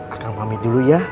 akang pamit dulu ya